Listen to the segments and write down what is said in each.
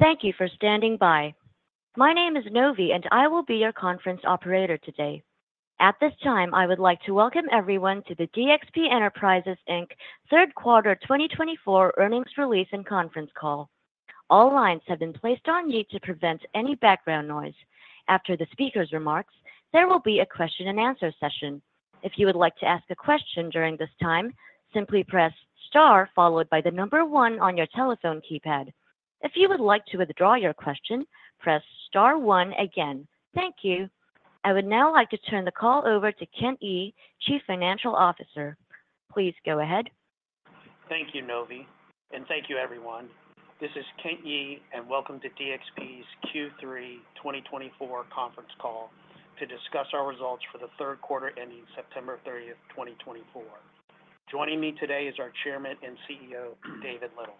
Thank you for standing by. My name is Novi, and I will be your conference operator today. At this time, I would like to welcome everyone to the DXP Enterprises, Inc. Third Quarter 2024 Earnings Release and Conference Call. All lines have been placed on mute to prevent any background noise. After the speaker's remarks, there will be a question-and-answer session. If you would like to ask a question during this time, simply press star followed by the number one on your telephone keypad. If you would like to withdraw your question, press star one again. Thank you. I would now like to turn the call over to Kent Yee, Chief Financial Officer. Please go ahead. Thank you, Novi, and thank you, everyone. This is Kent Yee, and welcome to DXP's Q3 2024 Conference Call to discuss our results for the third quarter ending September 30, 2024. Joining me today is our Chairman and CEO, David Little.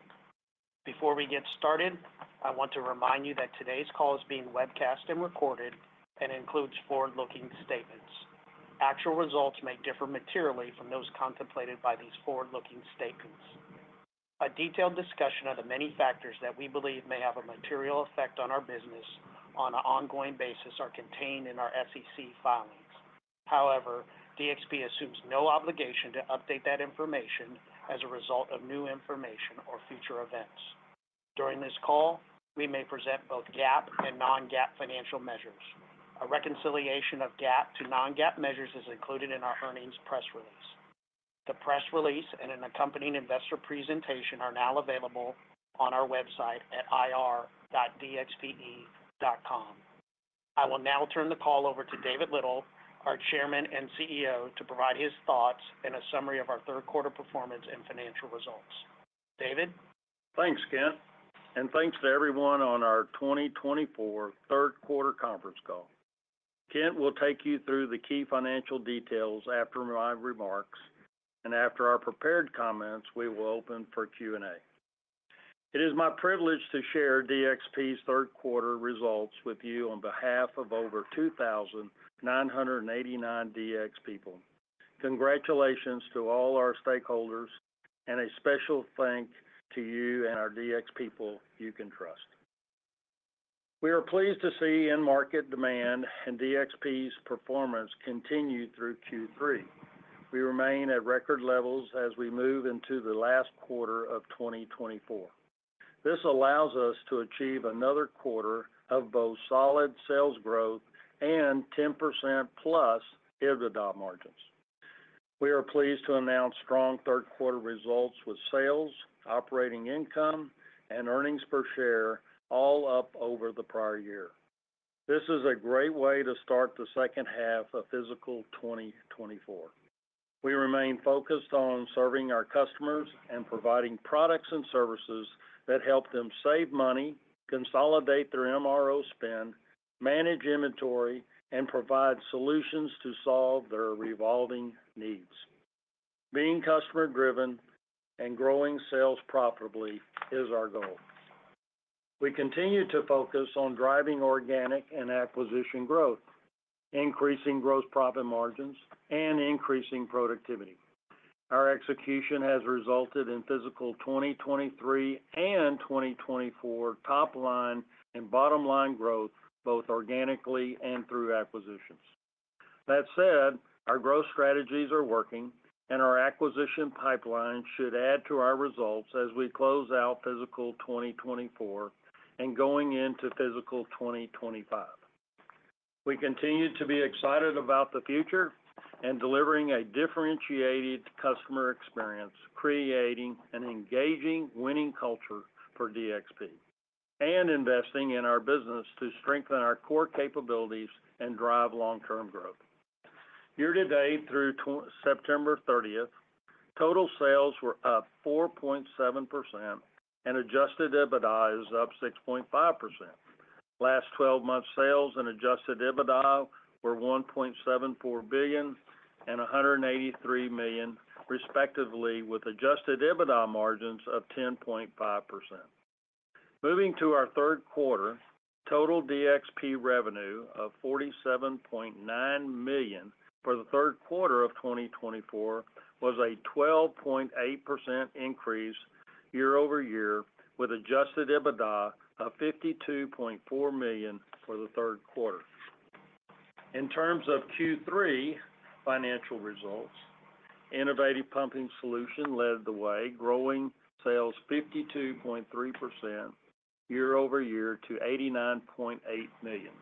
Before we get started, I want to remind you that today's call is being webcast and recorded and includes forward-looking statements. Actual results may differ materially from those contemplated by these forward-looking statements. A detailed discussion of the many factors that we believe may have a material effect on our business on an ongoing basis is contained in our SEC filings. However, DXP assumes no obligation to update that information as a result of new information or future events. During this call, we may present both GAAP and non-GAAP financial measures. A reconciliation of GAAP to non-GAAP measures is included in our earnings press release. The press release and an accompanying investor presentation are now available on our website at ir.dxpe.com. I will now turn the call over to David Little, our Chairman and CEO, to provide his thoughts and a summary of our third quarter performance and financial results. David? Thanks, Kent. And thanks to everyone on our 2024 third quarter conference call. Kent will take you through the key financial details after my remarks, and after our prepared comments, we will open for Q&A. It is my privilege to share DXP's third quarter results with you on behalf of over 2,989 DXP people. Congratulations to all our stakeholders, and a special thanks to you and our DXP people you can trust. We are pleased to see end-market demand and DXP's performance continue through Q3. We remain at record levels as we move into the last quarter of 2024. This allows us to achieve another quarter of both solid sales growth and 10% plus gross margins. We are pleased to announce strong third quarter results with sales, operating income, and earnings per share all up over the prior year. This is a great way to start the second half of fiscal 2024. We remain focused on serving our customers and providing products and services that help them save money, consolidate their MRO spend, manage inventory, and provide solutions to solve their evolving needs. Being customer-driven and growing sales profitably is our goal. We continue to focus on driving organic and acquisition growth, increasing gross profit margins, and increasing productivity. Our execution has resulted in fiscal 2023 and 2024 top-line and bottom-line growth both organically and through acquisitions. That said, our growth strategies are working, and our acquisition pipeline should add to our results as we close out fiscal 2024 and going into fiscal 2025. We continue to be excited about the future and delivering a differentiated customer experience, creating an engaging winning culture for DXP, and investing in our business to strengthen our core capabilities and drive long-term growth. Year-to-date through September 30, total sales were up 4.7% and adjusted EBITDA is up 6.5%. Last 12 months' sales and adjusted EBITDA were $1.74 billion and $183 million, respectively, with adjusted EBITDA margins of 10.5%. Moving to our third quarter, total DXP revenue of $47.9 million for the third quarter of 2024 was a 12.8% increase year-over-year, with adjusted EBITDA of $52.4 million for the third quarter. In terms of Q3 financial results, Innovative Pumping Solutions led the way, growing sales 52.3% year-over-year to $89.8 million,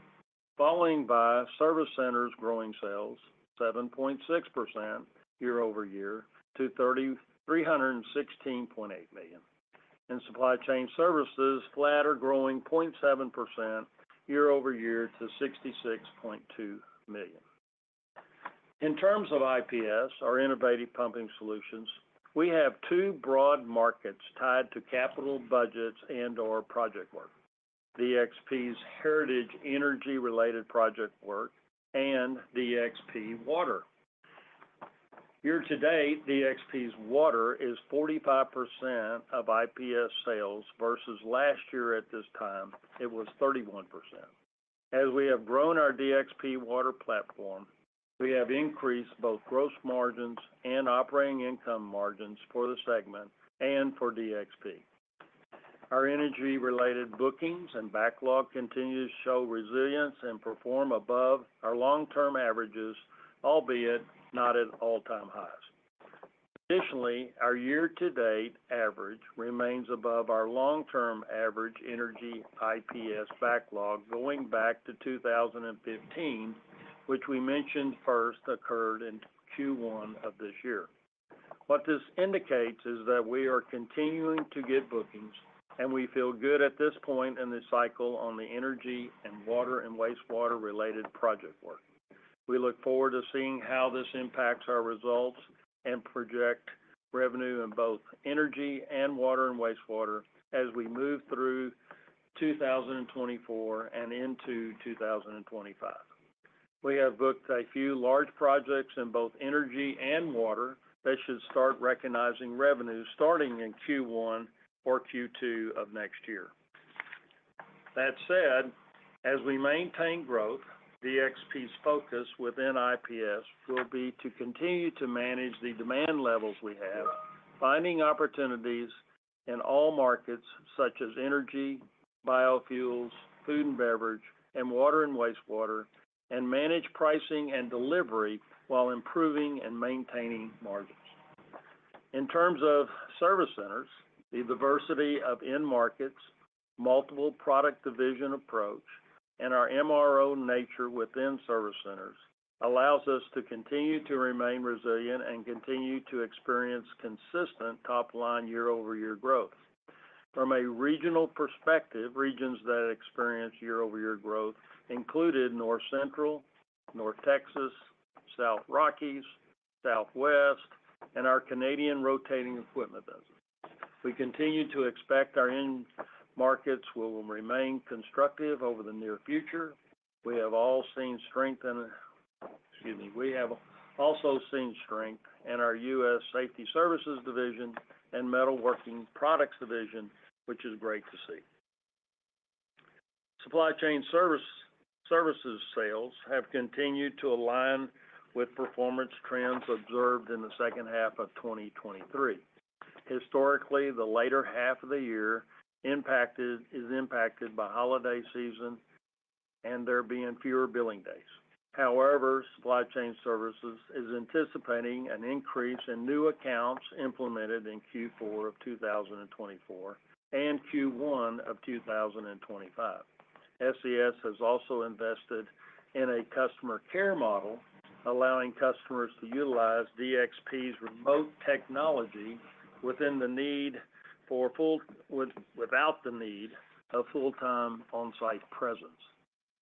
followed by Service Centers growing sales 7.6% year-over-year to $316.8 million, and Supply Chain Services flat or growing 0.7% year-over-year to $66.2 million. In terms of IPS, our Innovative Pumping Solutions, we have two broad markets tied to capital budgets and/or project work: DXP's heritage energy-related project work and DXP Water. Year-to-date, DXP's Water is 45% of IPS sales versus last year at this time. It was 31%. As we have grown our DXP Water platform, we have increased both gross margins and operating income margins for the segment and for DXP. Our energy-related bookings and backlog continue to show resilience and perform above our long-term averages, albeit not at all-time highs. Additionally, our year-to-date average remains above our long-term average energy IPS backlog going back to 2015, which we mentioned first occurred in Q1 of this year. What this indicates is that we are continuing to get bookings, and we feel good at this point in the cycle on the energy and water and wastewater-related project work. We look forward to seeing how this impacts our results and project revenue in both energy and water and wastewater as we move through 2024 and into 2025. We have booked a few large projects in both energy and water that should start recognizing revenue starting in Q1 or Q2 of next year. That said, as we maintain growth, DXP's focus within IPS will be to continue to manage the demand levels we have, finding opportunities in all markets such as energy, biofuels, food and beverage, and water and wastewater, and manage pricing and delivery while improving and maintaining margins. In terms of service centers, the diversity of end-markets, multiple product division approach, and our MRO nature within service centers allows us to continue to remain resilient and continue to experience consistent top-line year-over-year growth. From a regional perspective, regions that experience year-over-year growth included North Central, North Texas, South Rockies, Southwest, and our Canadian rotating equipment business. We continue to expect our end-markets will remain constructive over the near future. We have also seen strength in, excuse me, we have also seen strength in our U.S. Safety Services Division and Metalworking Products Division, which is great to see. Supply Chain Services sales have continued to align with performance trends observed in the second half of 2023. Historically, the later half of the year is impacted by holiday season and there being fewer billing days. However, Supply Chain Services is anticipating an increase in new accounts implemented in Q4 of 2024 and Q1 of 2025. SCS has also invested in a customer care model, allowing customers to utilize DXP's remote technology without the need of full-time on-site presence.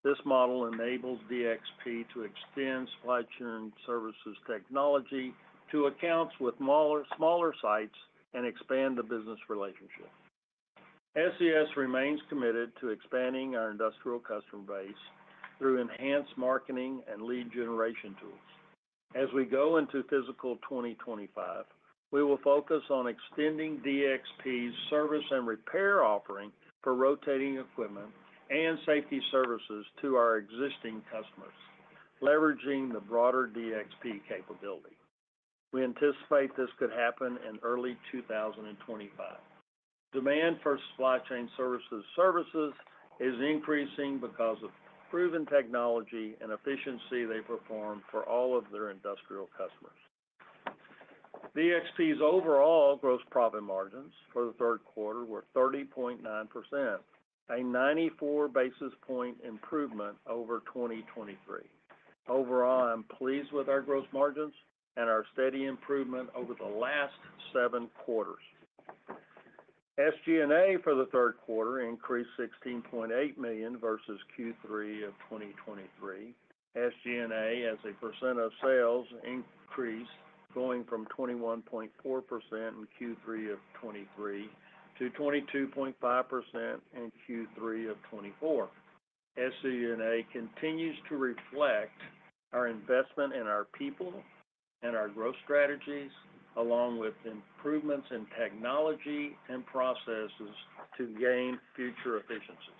This model enables DXP to extend Supply Chain Services technology to accounts with smaller sites and expand the business relationship. SCS remains committed to expanding our industrial customer base through enhanced marketing and lead generation tools. As we go into fiscal 2025, we will focus on extending DXP's service and repair offering for rotating equipment and safety services to our existing customers, leveraging the broader DXP capability. We anticipate this could happen in early 2025. Demand for supply chain services is increasing because of proven technology and efficiency they perform for all of their industrial customers. DXP's overall gross profit margins for the third quarter were 30.9%, a 94 basis point improvement over 2023. Overall, I'm pleased with our gross margins and our steady improvement over the last seven quarters. SG&A for the third quarter increased $16.8 million versus Q3 of 2023. SG&A has a % of sales increase going from 21.4% in Q3 of 2023 to 22.5% in Q3 of 2024. SG&A continues to reflect our investment in our people and our growth strategies, along with improvements in technology and processes to gain future efficiencies.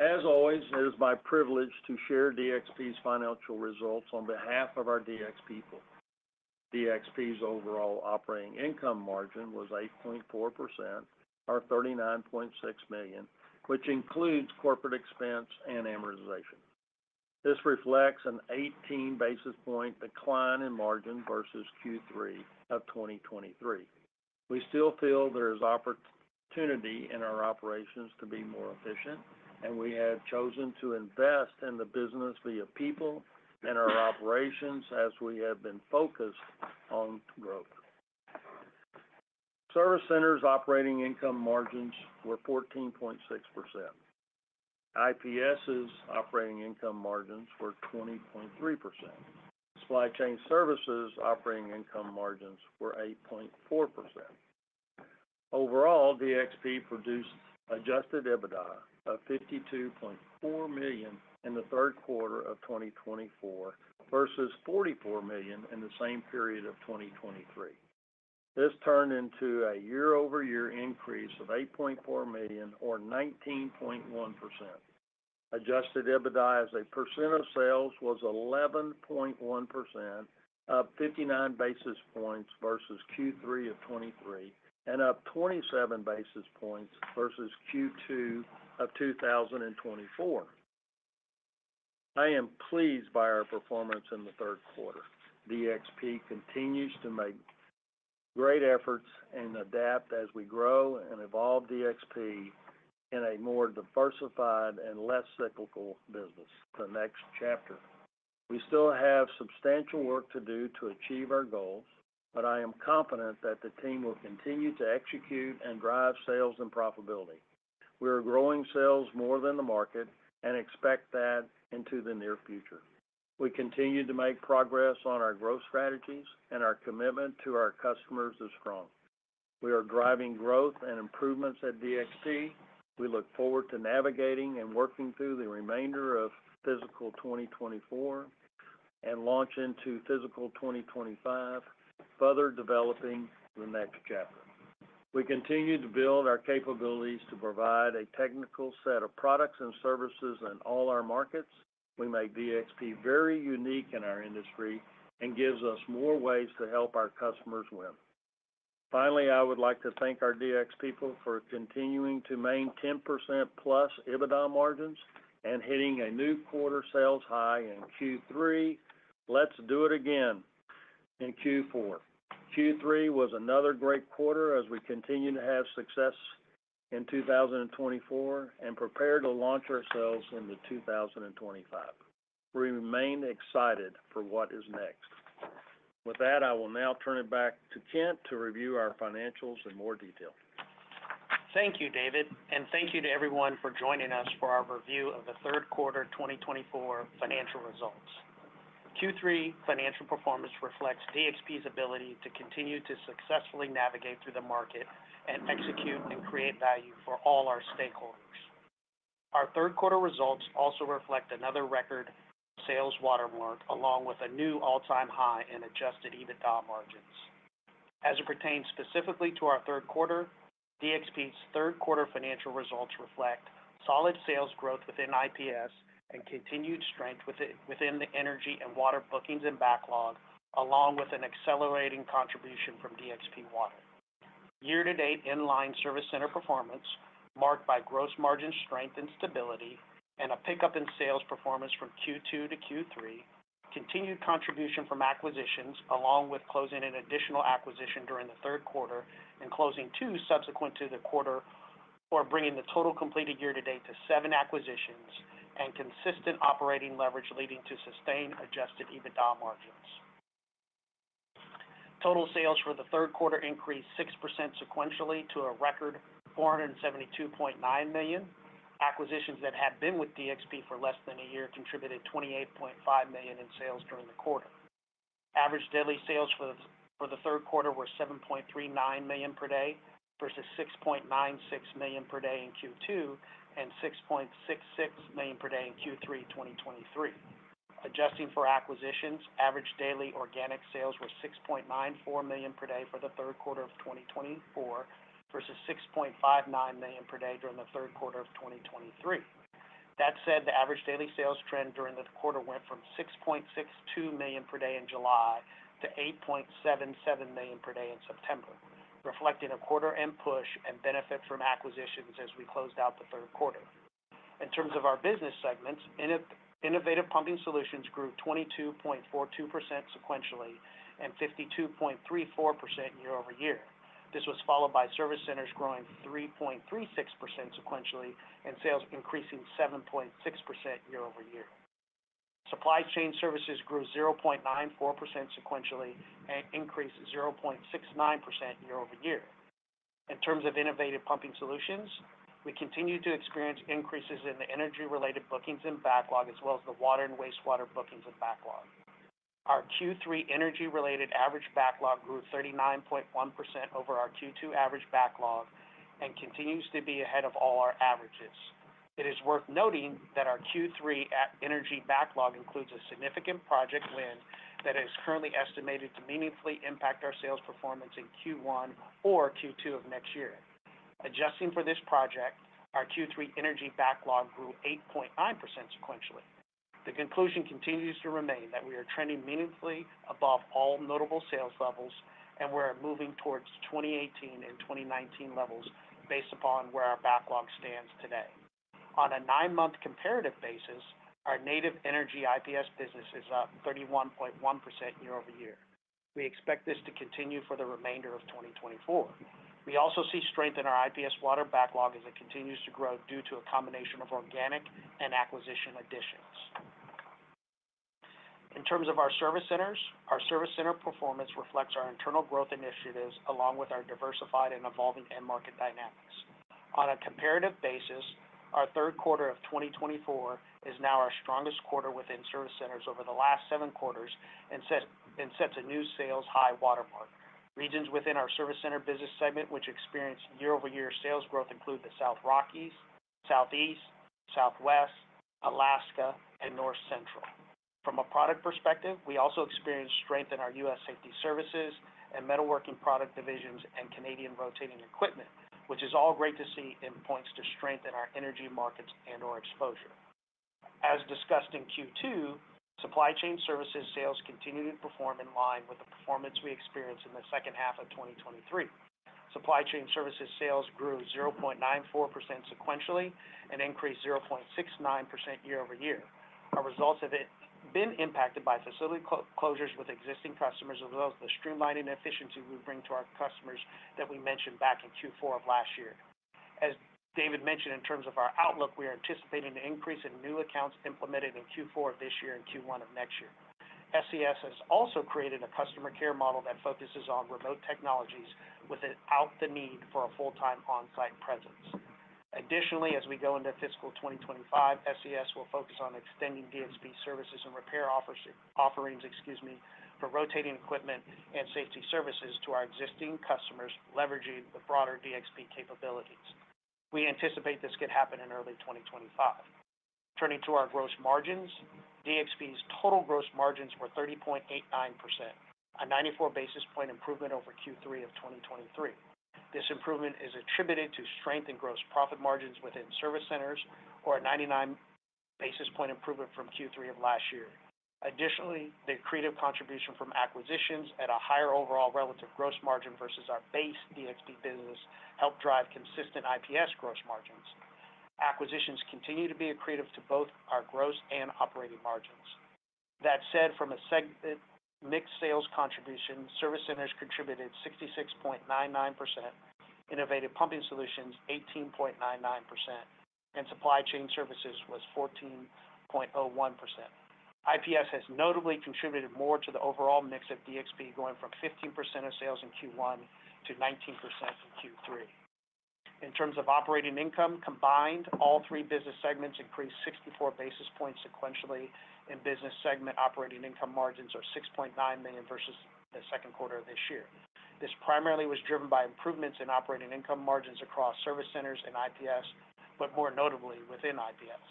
As always, it is my privilege to share DXP's financial results on behalf of our DXP people. DXP's overall operating income margin was 8.4% or $39.6 million, which includes corporate expense and amortization. This reflects an 18 basis point decline in margin versus Q3 of 2023. We still feel there is opportunity in our operations to be more efficient, and we have chosen to invest in the business via people and our operations as we have been focused on growth. Service Centers' operating income margins were 14.6%. IPS's operating income margins were 20.3%. Supply Chain Services' operating income margins were 8.4%. Overall, DXP produced adjusted EBITDA of $52.4 million in the third quarter of 2024 versus $44 million in the same period of 2023. This turned into a year-over-year increase of $8.4 million or 19.1%. Adjusted EBITDA as a percent of sales was 11.1% up 59 basis points versus Q3 of 2023 and up 27 basis points versus Q2 of 2024. I am pleased by our performance in the third quarter. DXP continues to make great efforts and adapt as we grow and evolve DXP in a more diversified and less cyclical business. The next chapter. We still have substantial work to do to achieve our goals, but I am confident that the team will continue to execute and drive sales and profitability. We are growing sales more than the market and expect that into the near future. We continue to make progress on our growth strategies, and our commitment to our customers is strong. We are driving growth and improvements at DXP. We look forward to navigating and working through the remainder of fiscal 2024 and launch into fiscal 2025, further developing the next chapter. We continue to build our capabilities to provide a technical set of products and services in all our markets. We make DXP very unique in our industry and gives us more ways to help our customers win. Finally, I would like to thank our DXP people for continuing to maintain 10% plus EBITDA margins and hitting a new quarter sales high in Q3. Let's do it again in Q4. Q3 was another great quarter as we continue to have success in 2024 and prepare to launch ourselves into 2025. We remain excited for what is next. With that, I will now turn it back to Kent to review our financials in more detail. Thank you, David, and thank you to everyone for joining us for our review of the third quarter 2024 financial results. Q3 financial performance reflects DXP's ability to continue to successfully navigate through the market and execute and create value for all our stakeholders. Our third quarter results also reflect another record sales watermark along with a new all-time high in Adjusted EBITDA margins. As it pertains specifically to our third quarter, DXP's third quarter financial results reflect solid sales growth within IPS and continued strength within the energy and water bookings and backlog, along with an accelerating contribution from DXP Water. Year-to-date in-line service center performance marked by gross margin strength and stability and a pickup in sales performance from Q2 to Q3, continued contribution from acquisitions along with closing an additional acquisition during the third quarter and closing two subsequent to the quarter, or bringing the total completed year-to-date to seven acquisitions and consistent operating leverage leading to sustained Adjusted EBITDA margins. Total sales for the third quarter increased 6% sequentially to a record $472.9 million. Acquisitions that had been with DXP for less than a year contributed $28.5 million in sales during the quarter. Average daily sales for the third quarter were $7.39 million per day versus $6.96 million per day in Q2 and $6.66 million per day in Q3 2023. Adjusting for acquisitions, average daily organic sales were 6.94 million per day for the third quarter of 2024 versus 6.59 million per day during the third quarter of 2023. That said, the average daily sales trend during the quarter went from 6.62 million per day in July to 8.77 million per day in September, reflecting a quarter-end push and benefit from acquisitions as we closed out the third quarter. In terms of our business segments, Innovative Pumping Solutions grew 22.42% sequentially and 52.34% year-over-year. This was followed by Service Centers growing 3.36% sequentially and sales increasing 7.6% year-over-year. Supply Chain Services grew 0.94% sequentially and increased 0.69% year-over-year. In terms of Innovative Pumping Solutions, we continue to experience increases in the energy-related bookings and backlog as well as the water and wastewater bookings and backlog. Our Q3 energy-related average backlog grew 39.1% over our Q2 average backlog and continues to be ahead of all our averages. It is worth noting that our Q3 energy backlog includes a significant project win that is currently estimated to meaningfully impact our sales performance in Q1 or Q2 of next year. Adjusting for this project, our Q3 energy backlog grew 8.9% sequentially. The conclusion continues to remain that we are trending meaningfully above all notable sales levels, and we are moving towards 2018 and 2019 levels based upon where our backlog stands today. On a nine-month comparative basis, our native energy IPS business is up 31.1% year-over-year. We expect this to continue for the remainder of 2024. We also see strength in our IPS water backlog as it continues to grow due to a combination of organic and acquisition additions. In terms of our Service Centers, our Service Center performance reflects our internal growth initiatives along with our diversified and evolving end-market dynamics. On a comparative basis, our third quarter of 2024 is now our strongest quarter within Service Centers over the last seven quarters and sets a new sales high watermark. Regions within our Service Centers business segment, which experienced year-over-year sales growth, include the South Rockies, Southeast, Southwest, Alaska, and North Central. From a product perspective, we also experience strength in our U.S. Safety Services Division and Metalworking Products Division and Canadian rotating equipment, which is all great to see and points to strength in our energy markets and/or exposure. As discussed in Q2, Supply Chain Services sales continued to perform in line with the performance we experienced in the second half of 2023. Supply Chain Services sales grew 0.94% sequentially and increased 0.69% year-over-year. Our results have been impacted by facility closures with existing customers as well as the streamlining efficiency we bring to our customers that we mentioned back in Q4 of last year. As David mentioned, in terms of our outlook, we are anticipating an increase in new accounts implemented in Q4 of this year and Q1 of next year. SCS has also created a customer care model that focuses on remote technologies without the need for a full-time on-site presence. Additionally, as we go into fiscal 2025, SCS will focus on extending DXP services and repair offerings for rotating equipment and safety services to our existing customers, leveraging the broader DXP capabilities. We anticipate this could happen in early 2025. Turning to our gross margins, DXP's total gross margins were 30.89%, a 94 basis point improvement over Q3 of 2023. This improvement is attributed to strength in gross profit margins within Service Centers, or a 99 basis point improvement from Q3 of last year. Additionally, the accretive contribution from acquisitions at a higher overall relative gross margin versus our base DXP business helped drive consistent IPS gross margins. Acquisitions continue to be accretive to both our gross and operating margins. That said, from a segment mixed sales contribution, Service Centers contributed 66.99%, Innovative Pumping Solutions 18.99%, and Supply Chain Services was 14.01%. IPS has notably contributed more to the overall mix of DXP, going from 15% of sales in Q1 to 19% in Q3. In terms of operating income combined, all three business segments increased 64 basis points sequentially, and business segment operating income margins are $6.9 million versus the second quarter of this year. This primarily was driven by improvements in operating income margins across Service Centers and IPS, but more notably within IPS.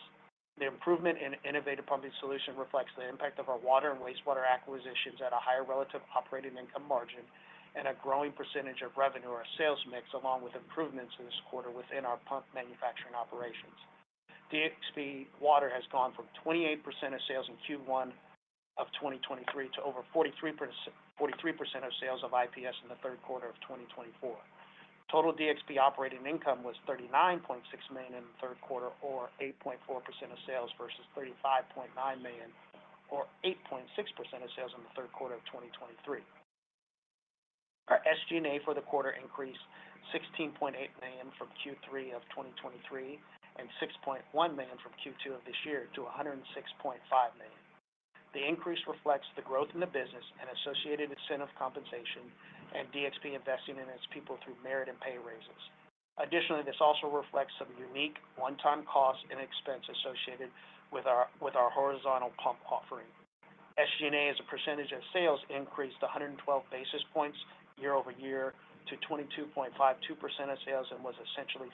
The improvement in Innovative Pumping Solutions reflects the impact of our water and wastewater acquisitions at a higher relative operating income margin and a growing percentage of revenue or sales mix, along with improvements this quarter within our pump manufacturing operations. DXP Water has gone from 28% of sales in Q1 of 2023 to over 43% of sales of IPS in the third quarter of 2024. Total DXP operating income was $39.6 million in the third quarter, or 8.4% of sales versus $35.9 million, or 8.6% of sales in the third quarter of 2023. Our SG&A for the quarter increased $16.8 million from Q3 of 2023 and $6.1 million from Q2 of this year to $106.5 million. The increase reflects the growth in the business and associated incentive compensation and DXP investing in its people through merit and pay raises. Additionally, this also reflects some unique one-time costs and expenses associated with our horizontal pump offering. SG&A as a percentage of sales increased 112 basis points year-over-year to 22.52% of sales and was essentially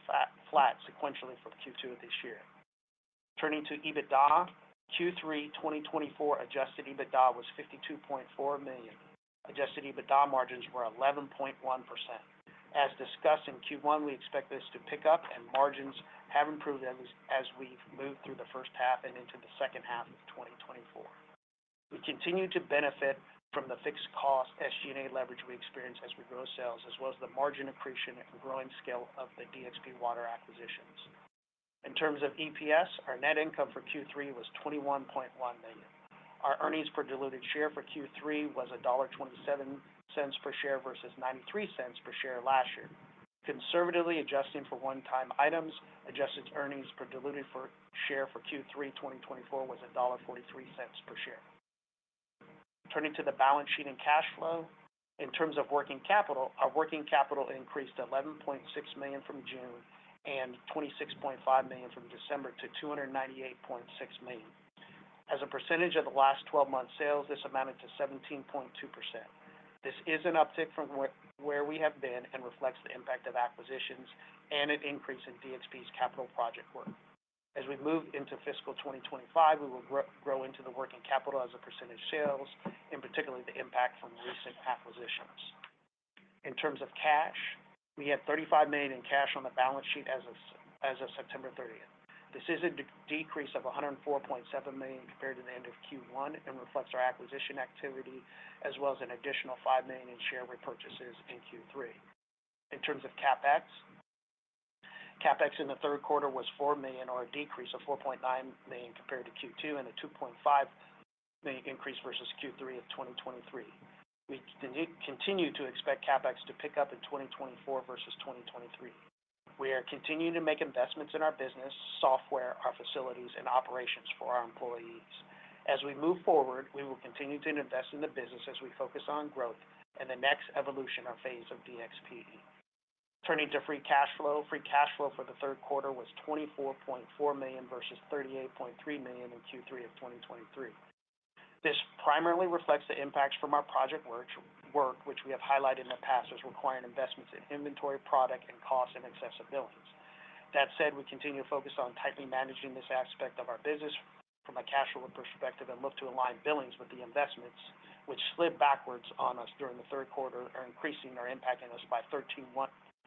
flat sequentially from Q2 of this year. Turning to EBITDA, Q3 2024 adjusted EBITDA was $52.4 million. Adjusted EBITDA margins were 11.1%. As discussed in Q1, we expect this to pick up, and margins have improved as we've moved through the first half and into the second half of 2024. We continue to benefit from the fixed cost SG&A leverage we experience as we grow sales, as well as the margin accretion and growing scale of the DXP water acquisitions. In terms of EPS, our net income for Q3 was $21.1 million. Our earnings per diluted share for Q3 was $1.27 per share versus $0.93 per share last year. Conservatively adjusting for one-time items, adjusted earnings per diluted share for Q3 2024 was $1.43 per share. Turning to the balance sheet and cash flow, in terms of working capital, our working capital increased $11.6 million from June and $26.5 million from December to $298.6 million. As a percentage of the last 12 months' sales, this amounted to 17.2%. This is an uptick from where we have been and reflects the impact of acquisitions and an increase in DXP's capital project work. As we move into fiscal 2025, we will grow into the working capital as a percentage sales, in particular the impact from recent acquisitions. In terms of cash, we had $35 million in cash on the balance sheet as of September 30th. This is a decrease of $104.7 million compared to the end of Q1 and reflects our acquisition activity as well as an additional $5 million in share repurchases in Q3. In terms of CapEx, CapEx in the third quarter was $4 million, or a decrease of $4.9 million compared to Q2 and a $2.5 million increase versus Q3 of 2023. We continue to expect CapEx to pick up in 2024 versus 2023. We are continuing to make investments in our business, software, our facilities, and operations for our employees. As we move forward, we will continue to invest in the business as we focus on growth and the next evolution or phase of DXP. Turning to free cash flow, free cash flow for the third quarter was $24.4 million versus $38.3 million in Q3 of 2023. This primarily reflects the impacts from our project work, which we have highlighted in the past as requiring investments in inventory, product, and cost and accessibility. That said, we continue to focus on tightly managing this aspect of our business from a cash flow perspective and look to align billings with the investments, which slid backwards on us during the third quarter, increasing our impact on us by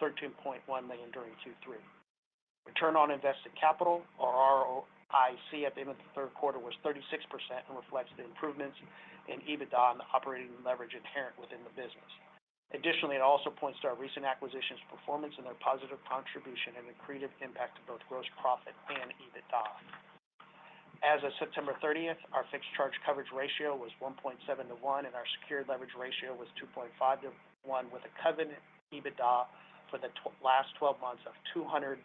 $13.1 million during Q3. Return on invested capital, or ROIC, at the end of the third quarter, was 36% and reflects the improvements in EBITDA and the operating leverage inherent within the business. Additionally, it also points to our recent acquisitions' performance and their positive contribution and an accretive impact to both gross profit and EBITDA. As of September 30th, our fixed charge coverage ratio was 1.7-1, and our secured leverage ratio was 2.5-1, with a covenant EBITDA for the last 12 months of $200.7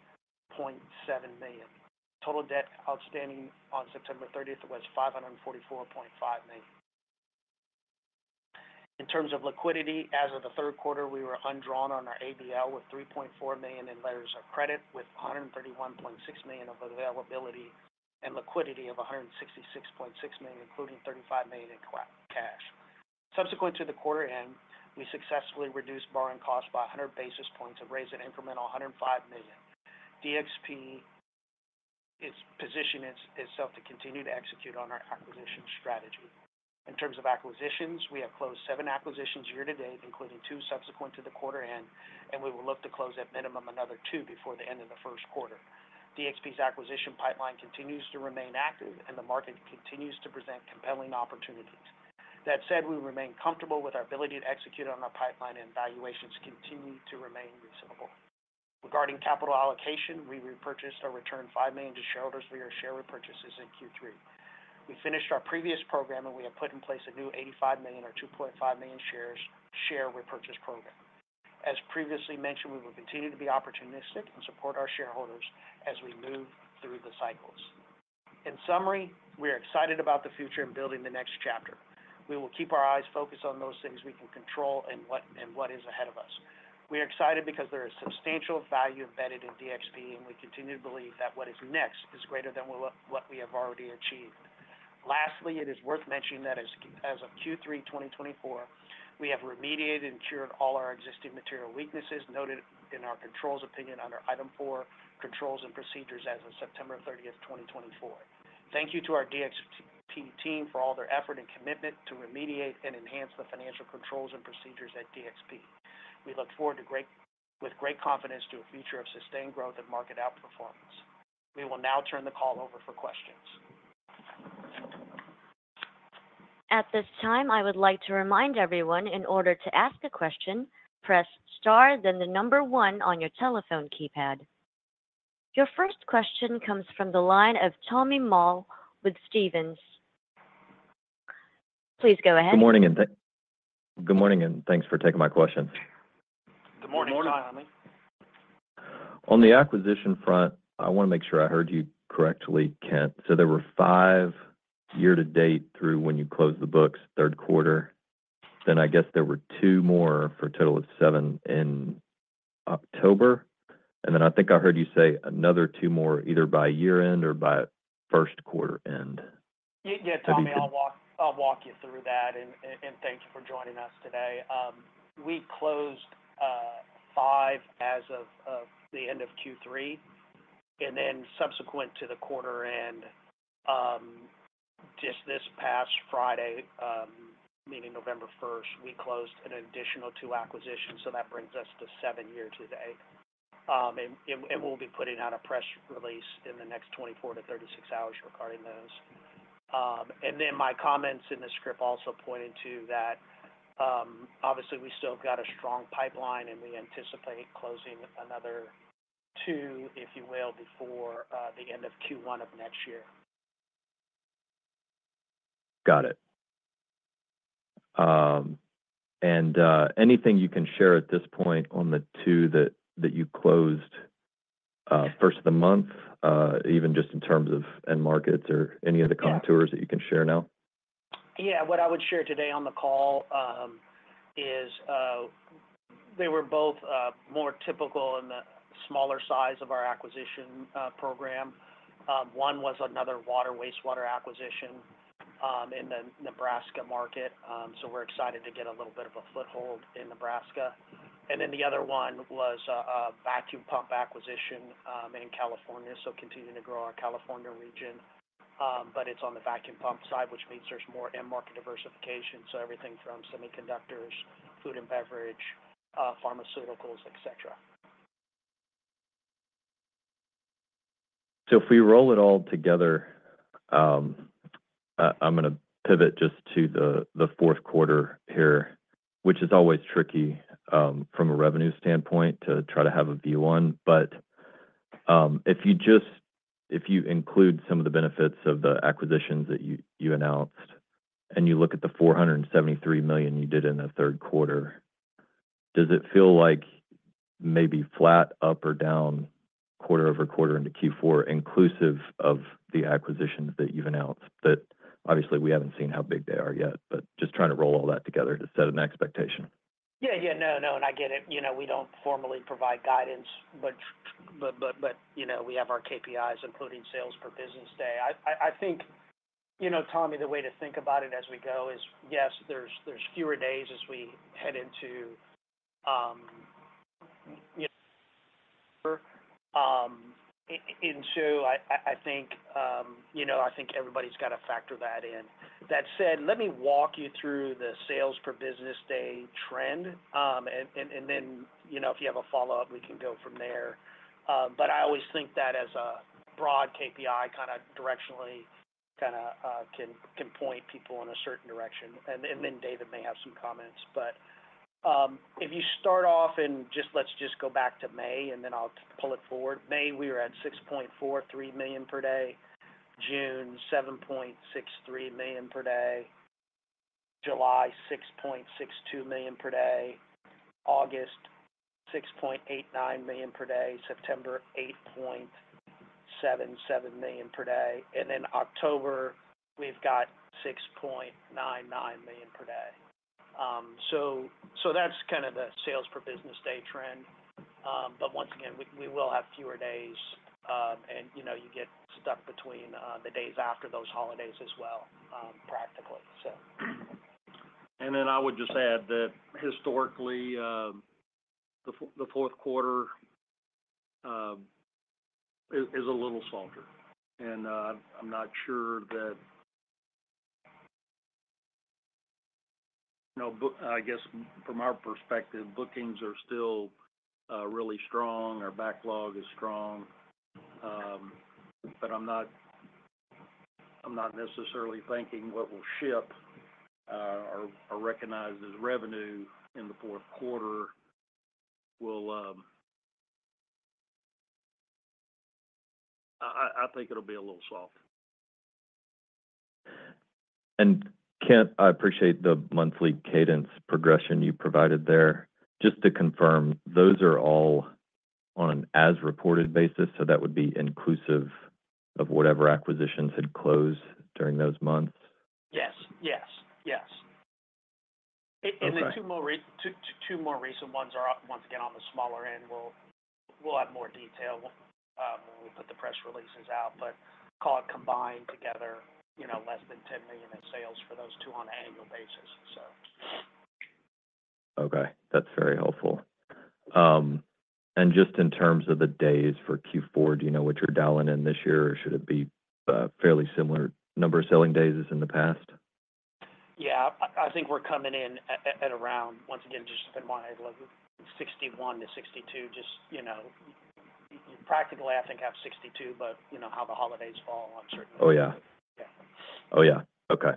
million. Total debt outstanding on September 30th was $544.5 million. In terms of liquidity, as of the third quarter, we were undrawn on our ABL with $3.4 million in letters of credit, with $131.6 million of availability and liquidity of $166.6 million, including $35 million in cash. Subsequent to the quarter end, we successfully reduced borrowing costs by 100 basis points and raised an incremental $105 million. DXP is positioning itself to continue to execute on our acquisition strategy. In terms of acquisitions, we have closed seven acquisitions year-to-date, including two subsequent to the quarter end, and we will look to close at minimum another two before the end of the first quarter. DXP's acquisition pipeline continues to remain active, and the market continues to present compelling opportunities. That said, we remain comfortable with our ability to execute on our pipeline, and valuations continue to remain reasonable. Regarding capital allocation, we repurchased or returned $5 million to shareholders via share repurchases in Q3. We finished our previous program, and we have put in place a new $85 million or 2.5 million share repurchase program. As previously mentioned, we will continue to be opportunistic and support our shareholders as we move through the cycles. In summary, we are excited about the future and building the next chapter. We will keep our eyes focused on those things we can control and what is ahead of us. We are excited because there is substantial value embedded in DXP, and we continue to believe that what is next is greater than what we have already achieved. Lastly, it is worth mentioning that as of Q3 2024, we have remediated and cured all our existing material weaknesses noted in our controls opinion under Item 4, Controls and Procedures as of September 30th, 2024. Thank you to our DXP team for all their effort and commitment to remediate and enhance the financial controls and procedures at DXP. We look forward with great confidence to a future of sustained growth and market outperformance. We will now turn the call over for questions. At this time, I would like to remind everyone, in order to ask a question, press star, then the number one on your telephone keypad. Your first question comes from the line of Tommy Moll with Stephens. Please go ahead. Good morning and thanks for taking my question. Good morning, Tommy. On the acquisition front, I want to make sure I heard you correctly, Kent. So there were five year-to-date through when you closed the books, third quarter. Then I guess there were two more for a total of seven in October. And then I think I heard you say another two more, either by year-end or by first quarter end. Yeah, Tommy, I'll walk you through that. And thank you for joining us today. We closed five as of the end of Q3. And then subsequent to the quarter end, just this past Friday, meaning November 1st, we closed an additional two acquisitions. So that brings us to seven year-to-date. And we'll be putting out a press release in the next 24-36 hours regarding those. And then my comments in the script also pointed to that, obviously, we still have got a strong pipeline, and we anticipate closing another two, if you will, before the end of Q1 of next year. Got it. And anything you can share at this point on the two that you closed first of the month, even just in terms of end markets or any of the contours that you can share now? Yeah. What I would share today on the call is they were both more typical in the smaller size of our acquisition program. One was another water, wastewater acquisition in the Nebraska market. So we're excited to get a little bit of a foothold in Nebraska. And then the other one was a vacuum pump acquisition in California. So continuing to grow our California region, but it's on the vacuum pump side, which means there's more end market diversification. So everything from semiconductors, food and beverage, pharmaceuticals, etc. So if we roll it all together, I'm going to pivot just to the fourth quarter here, which is always tricky from a revenue standpoint to try to have a view on. But if you include some of the benefits of the acquisitions that you announced and you look at the $473 million you did in the third quarter, does it feel like maybe flat, up or down quarter over quarter into Q4, inclusive of the acquisitions that you've announced? But obviously, we haven't seen how big they are yet, but just trying to roll all that together to set an expectation. Yeah, yeah. No, no. And I get it. We don't formally provide guidance, but we have our KPIs, including sales per business day. I think, Tommy, the way to think about it as we go is, yes, there's fewer days as we head into Q4. I think everybody's got to factor that in. That said, let me walk you through the sales per business day trend. Then if you have a follow-up, we can go from there. But I always think that as a broad KPI, kind of directionally kind of can point people in a certain direction. Then David may have some comments. But if you start off and just let's just go back to May, and then I'll pull it forward. May, we were at $6.43 million per day. June, $7.63 million per day. July, $6.62 million per day. August, $6.89 million per day. September, $8.77 million per day. Then October, we've got $6.99 million per day. So that's kind of the sales per business day trend. But once again, we will have fewer days, and you get stuck between the days after those holidays as well, practically, so. And then I would just add that historically, the fourth quarter is a little softer. And I'm not sure that, I guess, from our perspective, bookings are still really strong. Our backlog is strong. But I'm not necessarily thinking what will ship or recognize as revenue in the fourth quarter will, I think it'll be a little soft. And Kent, I appreciate the monthly cadence progression you provided there. Just to confirm, those are all on an as-reported basis. So that would be inclusive of whatever acquisitions had closed during those months? Yes. Yes. Yes. And then two more recent ones, once again, on the smaller end, we'll have more detail when we put the press releases out. But call it combined together, less than $10 million in sales for those two on an annual basis, so. Okay. That's very helpful. And just in terms of the days for Q4, do you know what you're dialing in this year, or should it be a fairly similar number of selling days as in the past? Yeah. I think we're coming in at around, once again, 61-62. Just practically, I think I have 62, but how the holidays fall on certain days. Oh, yeah. Yeah. Oh, yeah. Okay.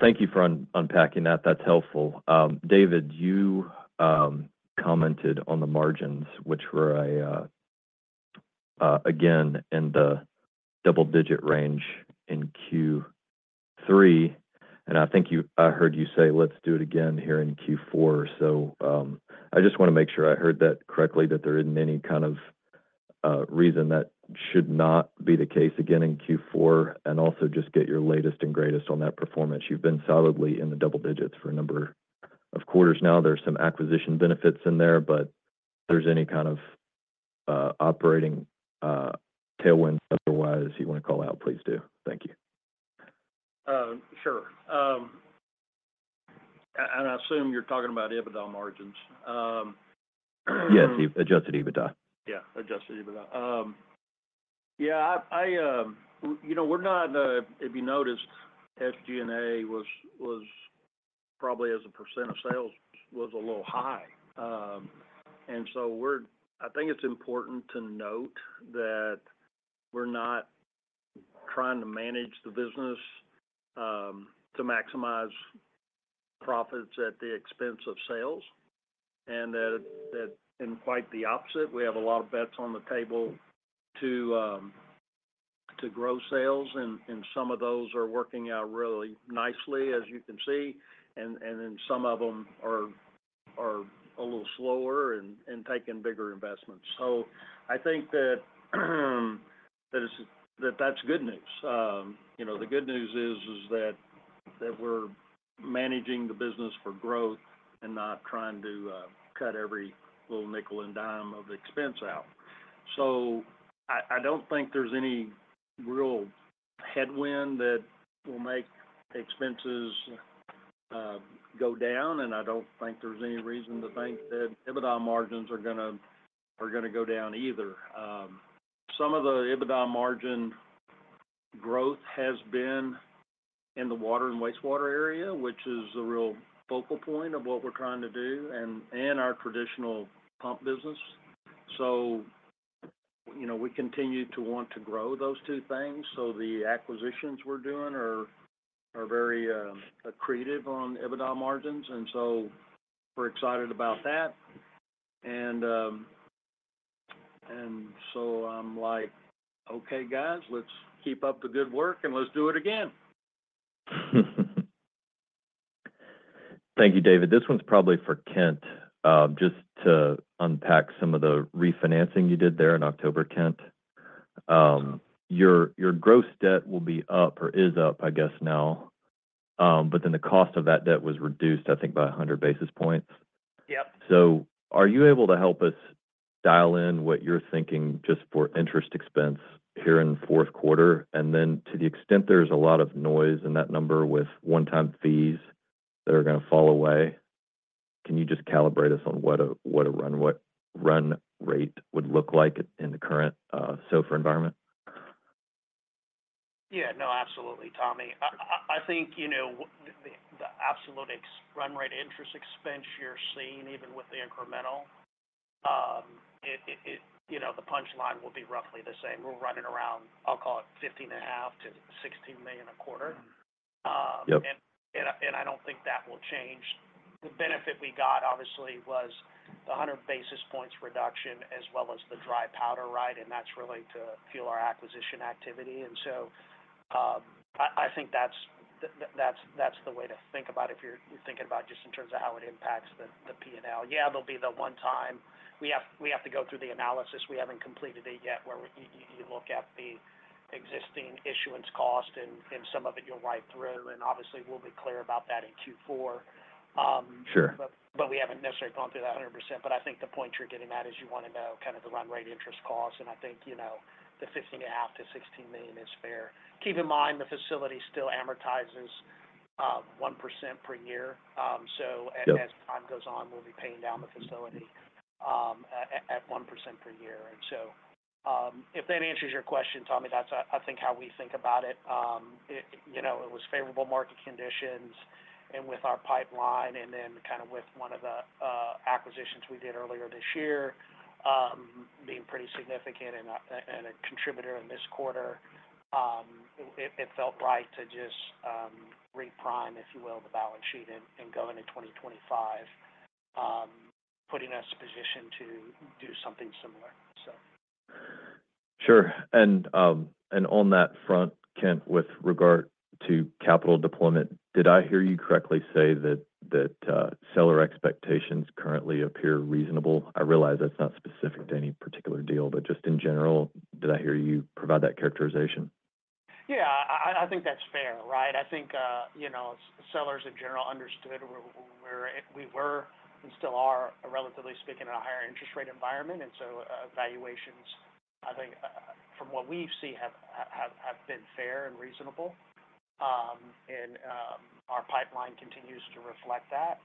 Thank you for unpacking that. That's helpful. David, you commented on the margins, which were, again, in the double-digit range in Q3. I think I heard you say, "Let's do it again here in Q4." So I just want to make sure I heard that correctly, that there isn't any kind of reason that should not be the case again in Q4. And also just get your latest and greatest on that performance. You've been solidly in the double digits for a number of quarters now. There's some acquisition benefits in there, but if there's any kind of operating tailwinds otherwise you want to call out, please do. Thank you. Sure. And I assume you're talking about EBITDA margins. Yes. Adjusted EBITDA. Yeah. Adjusted EBITDA. Yeah. We're not, if you noticed, SG&A was probably as a % of sales a little high. And so I think it's important to note that we're not trying to manage the business to maximize profits at the expense of sales. And that, in quite the opposite, we have a lot of bets on the table to grow sales. And some of those are working out really nicely, as you can see. And then some of them are a little slower and taking bigger investments. So I think that that's good news. The good news is that we're managing the business for growth and not trying to cut every little nickel and dime of expense out. So I don't think there's any real headwind that will make expenses go down. And I don't think there's any reason to think that EBITDA margins are going to go down either. Some of the EBITDA margin growth has been in the water and wastewater area, which is a real focal point of what we're trying to do and our traditional pump business. So we continue to want to grow those two things. So the acquisitions we're doing are very accretive on EBITDA margins. And so we're excited about that. And so I'm like, "Okay, guys, let's keep up the good work, and let's do it again." Thank you, David. This one's probably for Kent. Just to unpack some of the refinancing you did there in October, Kent. Your gross debt will be up or is up, I guess, now. But then the cost of that debt was reduced, I think, by 100 basis points. So are you able to help us dial in what you're thinking just for interest expense here in the fourth quarter? And then to the extent there's a lot of noise in that number with one-time fees that are going to fall away, can you just calibrate us on what a run rate would look like in the current SOFR environment? Yeah. No, absolutely, Tommy. I think the absolute run rate interest expense you're seeing, even with the incremental, the punchline will be roughly the same. We're running around, I'll call it $15.5 million-$16 million a quarter. And I don't think that will change. The benefit we got, obviously, was the 100 basis points reduction as well as the dry powder, right? And that's really to fuel our acquisition activity. And so I think that's the way to think about it if you're thinking about just in terms of how it impacts the P&L. Yeah, there'll be the one time we have to go through the analysis. We haven't completed it yet where you look at the existing issuance cost, and some of it you'll write through. And obviously, we'll be clear about that in Q4. But we haven't necessarily gone through that 100%. But I think the point you're getting at is you want to know kind of the run rate interest cost. And I think the $15.5-16 million is fair. Keep in mind, the facility still amortizes 1% per year. So as time goes on, we'll be paying down the facility at 1% per year. And so if that answers your question, Tommy, that's, I think, how we think about it. It was favorable market conditions and with our pipeline. And then kind of with one of the acquisitions we did earlier this year, being pretty significant and a contributor in this quarter, it felt right to just reprice, if you will, the balance sheet and go into 2025, putting us in a position to do something similar, so. Sure. On that front, Kent, with regard to capital deployment, did I hear you correctly say that seller expectations currently appear reasonable? I realize that's not specific to any particular deal, but just in general, did I hear you provide that characterization? Yeah. I think that's fair, right? I think sellers in general understood where we were and still are, relatively speaking, in a higher interest rate environment. And so valuations, I think, from what we've seen, have been fair and reasonable. And our pipeline continues to reflect that.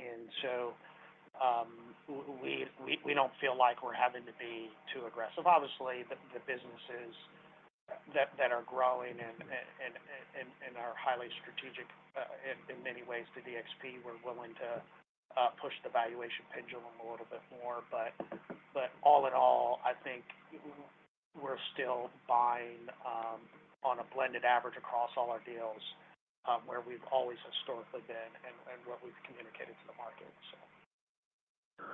And so we don't feel like we're having to be too aggressive. Obviously, the businesses that are growing and are highly strategic in many ways to DXP, we're willing to push the valuation pendulum a little bit more. But all in all, I think we're still buying on a blended average across all our deals where we've always historically been and what we've communicated to the market, so.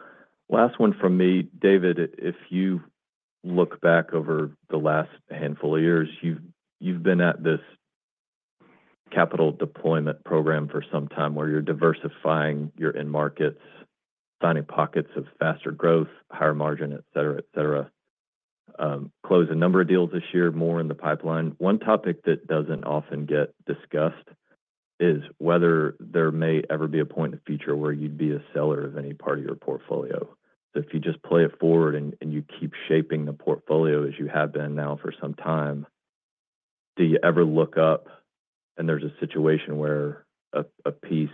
Last one from me. David, if you look back over the last handful of years, you've been at this capital deployment program for some time where you're diversifying your end markets, finding pockets of faster growth, higher margin, etc. Close a number of deals this year, more in the pipeline. One topic that doesn't often get discussed is whether there may ever be a point in the future where you'd be a seller of any part of your portfolio. So if you just play it forward and you keep shaping the portfolio as you have been now for some time, do you ever look up and there's a situation where a piece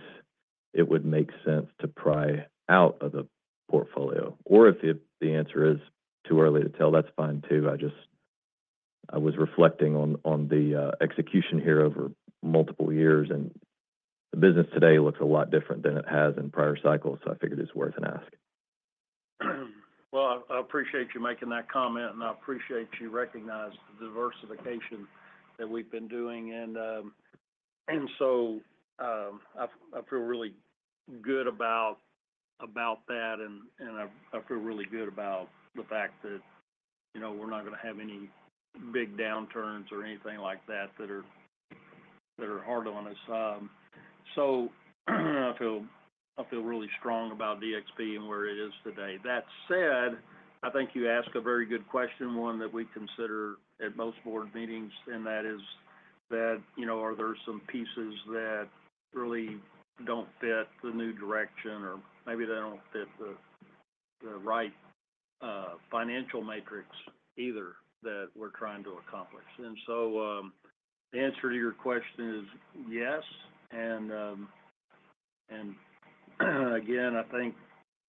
it would make sense to pry out of the portfolio? Or if the answer is too early to tell, that's fine too. I was reflecting on the execution here over multiple years, and the business today looks a lot different than it has in prior cycles. So I figured it's worth an ask. Well, I appreciate you making that comment, and I appreciate you recognizing the diversification that we've been doing. And so I feel really good about that, and I feel really good about the fact that we're not going to have any big downturns or anything like that that are hard on us. So I feel really strong about DXP and where it is today. That said, I think you asked a very good question, one that we consider at most board meetings, and that is, are there some pieces that really don't fit the new direction, or maybe they don't fit the right financial matrix either that we're trying to accomplish? And so the answer to your question is yes. And again, I think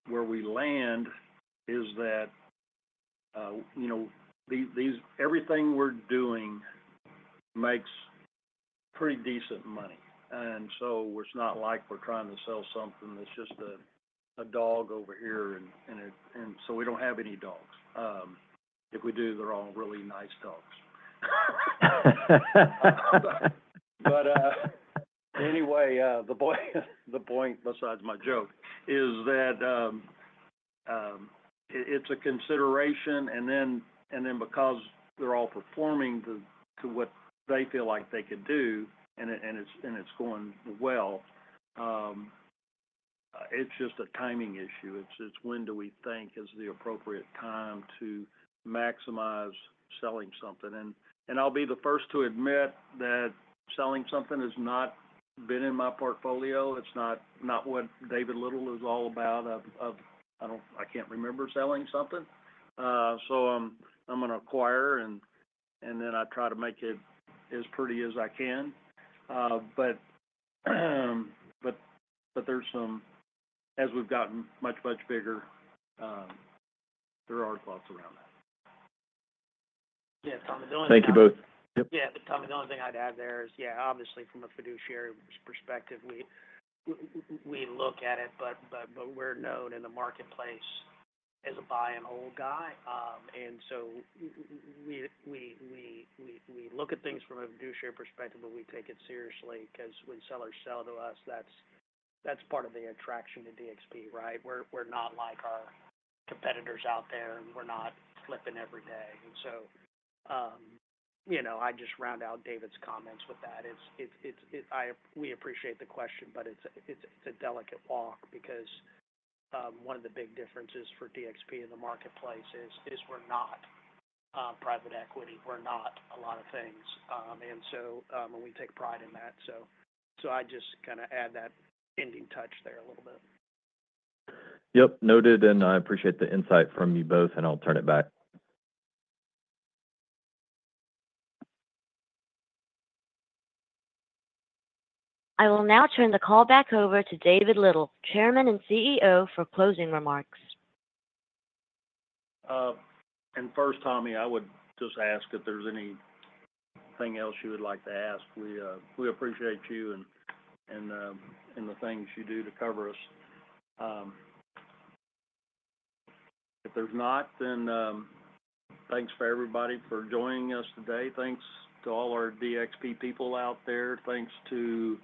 where we land is that everything we're doing makes pretty decent money. And so it's not like we're trying to sell something that's just a dog over here. And so we don't have any dogs. If we do, they're all really nice dogs. But anyway, the point besides my joke is that it's a consideration. And then because they're all performing to what they feel like they could do, and it's going well, it's just a timing issue. It's when do we think is the appropriate time to maximize selling something, and I'll be the first to admit that selling something has not been in my portfolio. It's not what David Little is all about. I can't remember selling something, so I'm going to acquire, and then I try to make it as pretty as I can, but as we've gotten much, much bigger, there are thoughts around that. Yeah. Tommy, the only thing. Thank you both. Yep. Yeah, but Tommy, the only thing I'd add there is, yeah, obviously, from a fiduciary perspective, we look at it, but we're known in the marketplace as a buy-and-hold guy, and so we look at things from a fiduciary perspective, but we take it seriously because when sellers sell to us, that's part of the attraction to DXP, right? We're not like our competitors out there, and we're not flipping every day, and so I just round out David's comments with that. We appreciate the question, but it's a delicate walk because one of the big differences for DXP in the marketplace is we're not private equity. We're not a lot of things, and so we take pride in that, so I just kind of add that ending touch there a little bit. Yep. Noted, and I appreciate the insight from you both, and I'll turn it back. I will now turn the call back over to David Little, Chairman and CEO, for closing remarks. First, Tommy, I would just ask if there's anything else you would like to ask. We appreciate you and the things you do to cover us. If there's not, then thanks for everybody for joining us today. Thanks to all our DXP people out there. Thanks to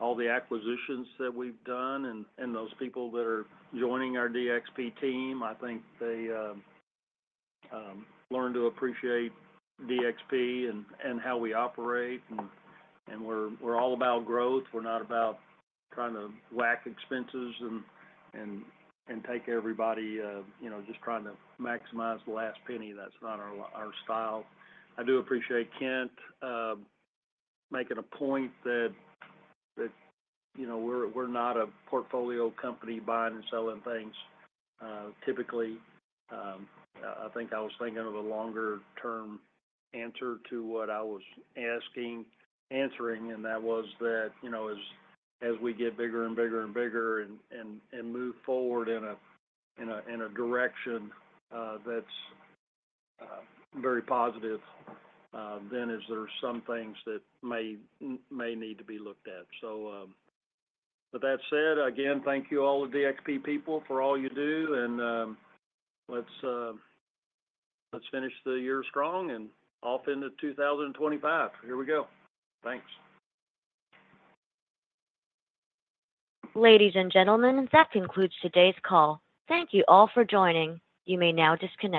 all the acquisitions that we've done and those people that are joining our DXP team. I think they learned to appreciate DXP and how we operate. And we're all about growth. We're not about trying to whack expenses and take everybody just trying to maximize the last penny. That's not our style. I do appreciate Kent making a point that we're not a portfolio company buying and selling things. Typically, I think I was thinking of a longer-term answer to what I was answering, and that was that as we get bigger and bigger and bigger and move forward in a direction that's very positive, then there are some things that may need to be looked at. So with that said, again, thank you all of DXP people for all you do. Let's finish the year strong and off into 2025. Here we go. Thanks. Ladies and gentlemen, that concludes today's call. Thank you all for joining. You may now disconnect.